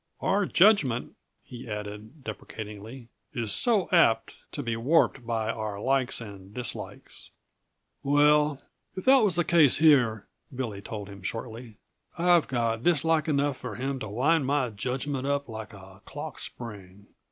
Our judgment," he added deprecatingly, "is so apt to be warped by our likes and dislikes." "Well, if that was the case here," Billy told him shortly, "I've got dislike enough for him to wind my judgment up like a clock spring.